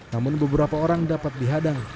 namun beberapa orang dapat dihadang